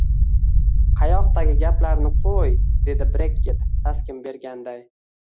Qayoqdagi gaplarni qo`y, dedi Brekket taskin berganday